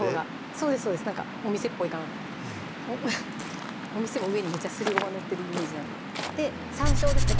そうですそうですなんかお店っぽいかなと思ってお店も上にめっちゃすりごま載ってるイメージなんで山椒ですね